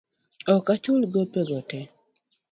Ok achul gopego te.